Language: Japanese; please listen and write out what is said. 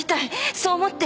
そう思って。